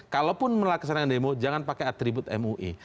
kalaupun melaksanakan demo jangan pakai atribut mui